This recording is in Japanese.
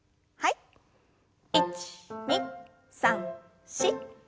１２３４。